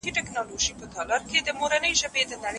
پرېږده چي نشه یم له خمار سره مي نه لګي